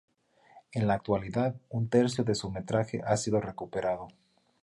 En la actualidad un tercio de su metraje ha sido recuperado.